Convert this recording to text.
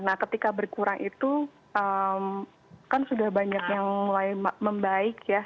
nah ketika berkurang itu kan sudah banyak yang mulai membaik ya